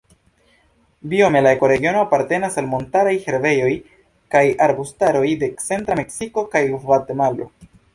Biome la ekoregiono apartenas al montaraj herbejoj kaj arbustaroj de centra Meksiko kaj Gvatemalo.